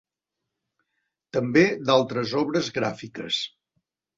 També d'altres obres gràfiques.